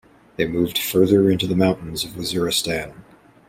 They moved further into the mountains of Waziristan.